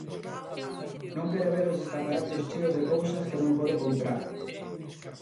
Non quere ver os escaparates cheos de cousas que non pode comprar.